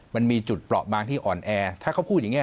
มันมีจุดเปราะบางที่อ่อนแอถ้าเขาพูดอย่างนี้